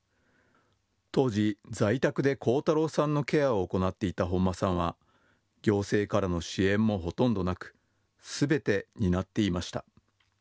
当時、在宅で光太郎さんのケアを行っていた本間さんは行政からの支援もほとんどなくすべて担っていました。